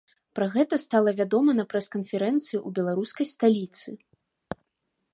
Пра гэта стала вядома на прэс-канферэнцыі ў беларускай сталіцы.